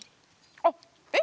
あっえっ？